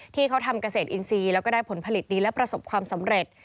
ที่เขาทำเกษตรอินทรีย์แล้วก็ได้ผลผลิตดีและประสบความสำเร็จ